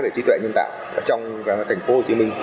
về trí tuệ nhân tạo trong tp hcm